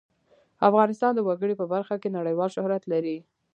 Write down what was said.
افغانستان د وګړي په برخه کې نړیوال شهرت لري.